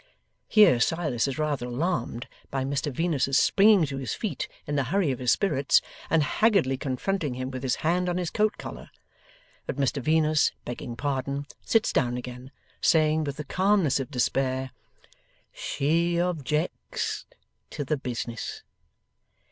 Here Silas is rather alarmed by Mr Venus's springing to his feet in the hurry of his spirits, and haggardly confronting him with his hand on his coat collar; but Mr Venus, begging pardon, sits down again, saying, with the calmness of despair, 'She objects to the business.